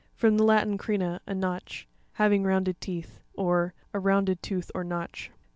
From the Latin, crena, a notch. Having rounded teeth. Crenu.a'TIoN.—A_ rounded tooth, or notch.